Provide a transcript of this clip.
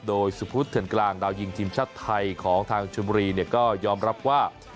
โดยสุพุทธเถื่อนกลางดาวยิงทีมชาติไทยของทางชมบุรีก็ยอมรับว่า